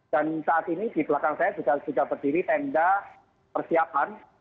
dan saat ini di belakang saya sudah berdiri tenda persiapan